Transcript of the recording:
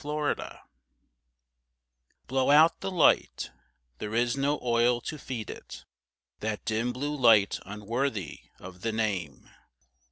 BURNED OUT Blow out the light: there is no oil to feed it: That dim blue light unworthy of the name.